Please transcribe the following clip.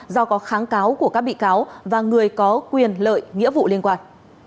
do có kháng cáo của các bị cáo và người có quyền lợi nghĩa vụ liên quan